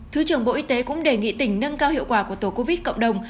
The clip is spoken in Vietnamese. thứ trưởng bộ y tế cũng đề nghị tỉnh nâng cao hiệu quả của tổ covid cộng đồng